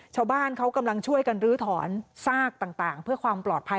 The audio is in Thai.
ชาวบ้านเขากำลังช่วยกันลื้อถอนซากต่างเพื่อความปลอดภัย